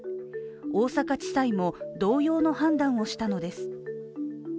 大阪地裁も同様の判断をしたのです。